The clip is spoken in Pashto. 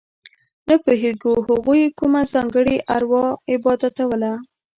نه پوهېږو هغوی کومه ځانګړې اروا عبادتوله.